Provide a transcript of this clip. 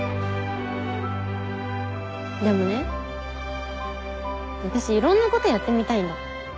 でもね私いろんなことやってみたいんだ。